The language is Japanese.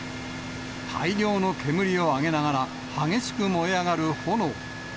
大量の煙を上げながら激しく燃え上がる炎。